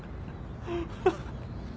ハハハハ。